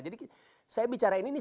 jadi saya bicara ini nih